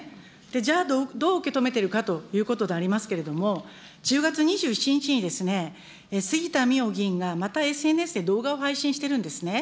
じゃあ、どう受け止めてるかということでありますけれども、１０月２７日にですね、杉田水脈議員がまたＳＮＳで動画を配信してるんですね。